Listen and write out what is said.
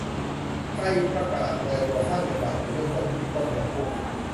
ไทยประกาศ ลอยตัวค่าเงินบาท จุดเริ่มต้น วิกฤตต้มยำกุ้ง